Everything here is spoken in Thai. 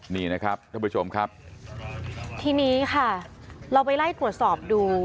นี่นะครับท่านผู้ชมครับทีนี้ค่ะเราไปไล่ตรวจสอบดู